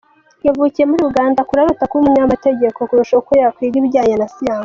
Yavukiye muri Uganda, akura arota kuba umunyamategeko kurusha uko yakwiga ibijyanye na siyansi.